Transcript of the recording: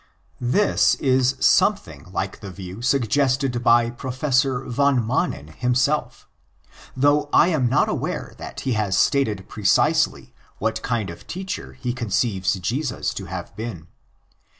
This is something like the view suggested by Professor van Manen himself; though I am not aware that he has stated precisely what kind of teacher he conceives Jesus to have been.